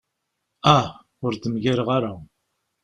Ah! ur d-mgireɣ ara.